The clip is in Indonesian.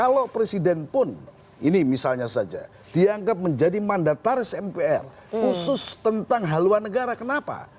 kalau presiden pun ini misalnya saja dianggap menjadi mandataris mpr khusus tentang haluan negara kenapa